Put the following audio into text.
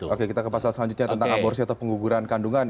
oke kita ke pasal selanjutnya tentang aborsi atau pengguguran kandungan